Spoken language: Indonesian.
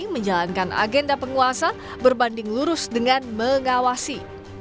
menjalankan agenda penguasa berbanding lurus dengan mengawasi